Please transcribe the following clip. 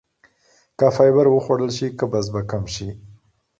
که فایبر وخوړل شي قبض به کمه شي.